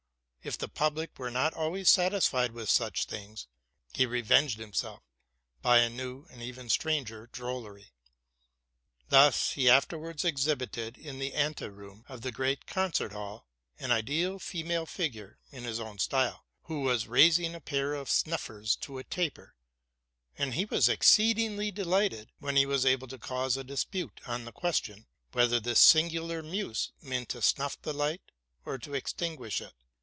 If the public were not always satisfied with such things, he revenged himself by a new and even stranger drollery. Thus he afterwards exhibited, in the ante room of the great concert hall, an ideal female figure, in his own style, who was raising a pair of snuffers to a taper; and he was extraor dinarily delighted when he was able to cause a dispute on the question, whether this singular muse meant to snuff the lignt or to extinguish it?